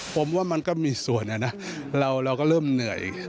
ผมว่ามันก็มีส่วนนะเราก็เริ่มเหนื่อย